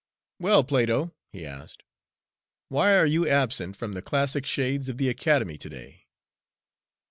"Well, Plato," he asked, "why are you absent from the classic shades of the academy to day?"